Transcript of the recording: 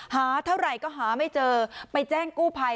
หาเท่าไหร่ก็หาไม่เจอไปแจ้งกู้ภัย